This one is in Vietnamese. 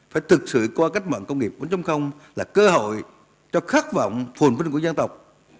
phải thực sự qua cách mạng công nghiệp bốn là cơ hội cho khát vọng phồn vinh của dân tộc